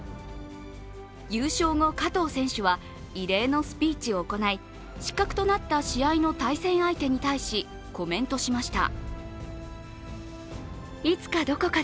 優勝後、加藤選手は異例のスピーチを行い失格となった試合の対戦相手に対し、コメントしました。